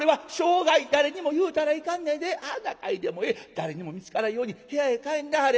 誰にも見つからんように部屋へ帰んなはれ。